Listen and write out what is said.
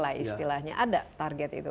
ada target itu